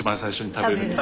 食べる。